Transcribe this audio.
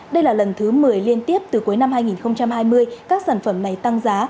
đây là lần thứ một mươi liên tiếp từ cuối năm hai nghìn hai mươi các sản phẩm này tăng giá